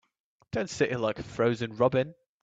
Don't sit there like a frozen robin.